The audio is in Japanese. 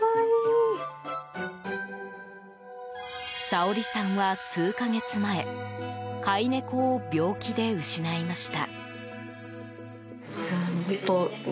サオリさんは数か月前飼い猫を病気で失いました。